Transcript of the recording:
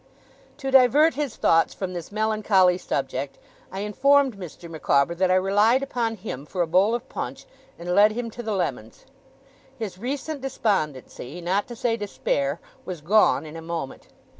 To divert his thoughts from this melancholy subject, I informed Mr. Micawber that I relied upon him for a bowl of punch, and led him to the lemons. His recent despondency, not to say despair, was gone in a moment.